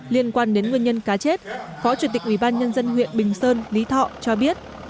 liên quan đến nguyên nhân cá chết phó chủ tịch ubnd huyện bình sơn lý thọ cho biết